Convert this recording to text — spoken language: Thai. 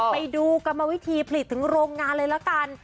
ไปดูกรรมวิธีผลิตถึงโรงงานเลยละกัน